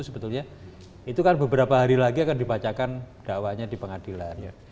sebetulnya itu kan beberapa hari lagi akan dibacakan dakwahnya di pengadilan